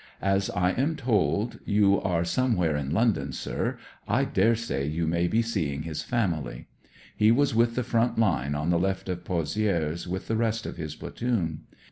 As I am told you are somewhere in London, sir, I daresay you may be seeing his famUy. He was with the front Une on the left of Pozieres, with the rest of liis platoon.